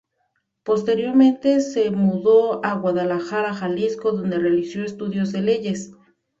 Posteriormente se mudó a Guadalajara Jalisco, donde realizó estudios de leyes.